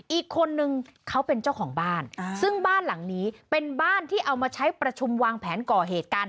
อีกคนนึงเขาเป็นเจ้าของบ้านซึ่งบ้านหลังนี้เป็นบ้านที่เอามาใช้ประชุมวางแผนก่อเหตุการณ์